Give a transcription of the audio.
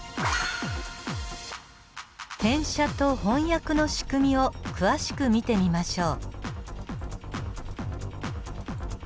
転写と翻訳の仕組みを詳しく見てみましょう。